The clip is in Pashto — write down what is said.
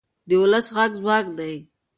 د ولس غږ ځواک دی